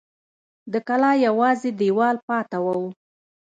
د کلا یوازې دېوال پاته و.